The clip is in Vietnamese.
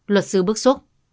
luật sư bức xúc